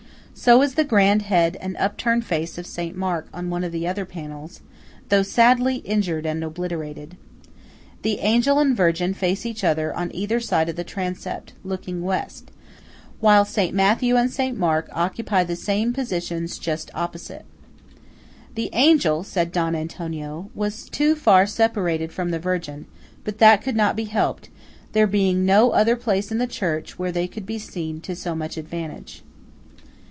So is the grand head and upturned face of Saint Mark on one of the other panels, though sadly injured and obliterated. The Angel and Virgin face each other on either side of the transept, looking West; while Saint Matthew and Saint Mark occupy the same relative positions just opposite. "The Angel," said Don Antonio, "was too far separated from the Virgin; but that could not be helped, there being no other place in the church where they could be seen to so much advantage."